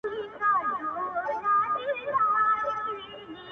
o دفلسـفې اســـــتاد يــې وټـــــــاكـــلـــــم،